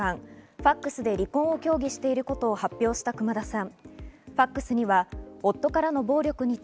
ファクスで離婚を協議していることを発表した熊田さん。